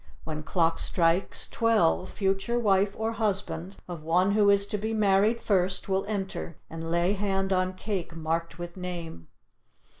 When clock strikes twelve future wife or husband of one who is to be married first will enter and lay hand on cake marked with name.